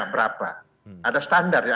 berapa ada standar yang